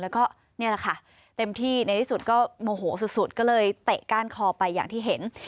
แล้วก็นี่แหละค่ะเต็มที่ในที่สุดก็โมโหสุดก็เลยเตะก้านคอไปอย่างที่เห็น